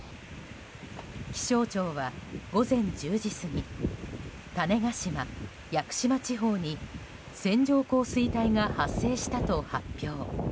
気象庁は午前１０時過ぎ種子島・屋久島地方に線状降水帯が発生したと発表。